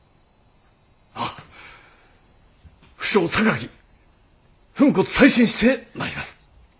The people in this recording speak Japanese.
はっ不肖榊粉骨砕身してまいります。